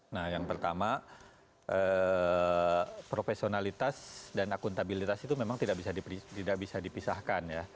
nah yang pertama profesionalitas dan akuntabilitas itu memang tidak bisa dipisahkan ya